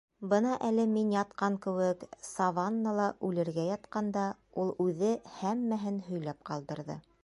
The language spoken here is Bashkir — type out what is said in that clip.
Бына әле мин ятҡан кеүек, саваннала үлергә ятҡанда, ул үҙе һәммәһен һөйләп ҡалдырҙы.